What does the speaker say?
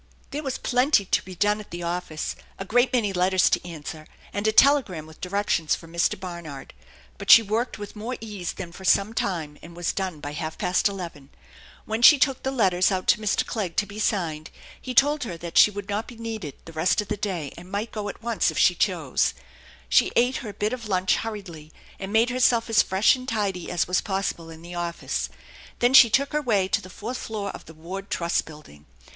There was plenty to be done at the office, a great many letters to answer, and a telegram with directions from Mr. Barnard. But she worked with more ease than for some time, and w i done by half past eleven. When she took the letter* 40 THE ENCHANTED BARN out to Mr. Clegg to be signed, he told her that she would not be needed the rest of the day, and might go at once if she chose. She ate her bit of lunch hurriedly, and made herself as fresh and tidy as was possible in the office. Then she took her way to the fourth floor of the Ward Trust Building.